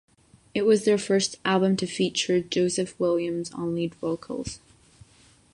It was their first album to feature Joseph Williams on lead vocals.